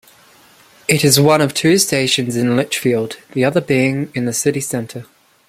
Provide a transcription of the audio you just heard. It is one of two stations in Lichfield, the other being in the city-centre.